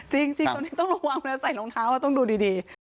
จริงตรงนี้ต้องระวังนะใส่รองเท้าต้องดูดี